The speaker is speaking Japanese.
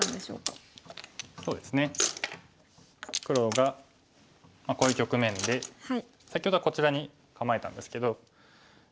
黒がこういう局面で先ほどはこちらに構えたんですけど。